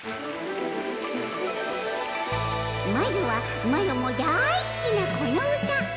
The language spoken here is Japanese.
まずはマロもだーいすきなこの歌！